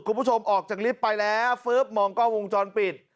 คุณผู้ชมออกจากลิฟต์ไปแล้วฟึ๊บมองกล้องวงจรปิด